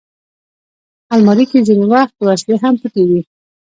الماري کې ځینې وخت وسلې هم پټې وي